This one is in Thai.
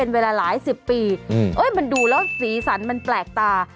เวลาหลายสิบปีมันดูแล้วสีสันมันแปลกตา